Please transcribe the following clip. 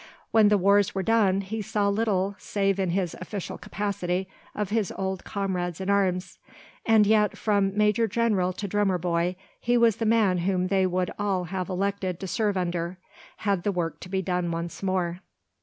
When the wars were done he saw little, save in his official capacity, of his old comrades in arms. And yet, from major general to drummer boy, he was the man whom they would all have elected to serve under, had the work to be done once more.